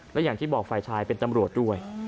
และอย่างที่บอกฝ่ายชายเป็นตำรวจด้วย